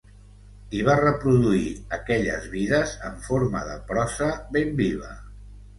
I va reproduir aquelles vides en forma de prosa ben viva.